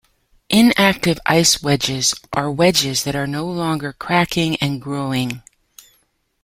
Inactive ice wedges are wedges that are no longer cracking and growing.